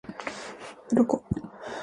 鱗